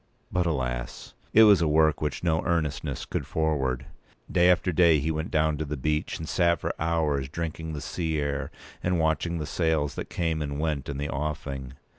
But, alas! it was a work which no earnestness could forward. Day after day he went down to the beach, and sat for hours drinking the sea air and watching the sails that came and went in the offing.